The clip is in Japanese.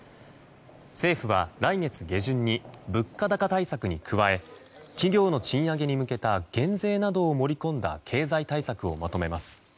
政府は来月下旬に物価高対策に加え企業の賃上げに向けた減税などを盛り込んだ経済対策をまとめます。